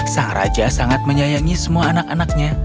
sang raja sangat menyayangi semua anak anaknya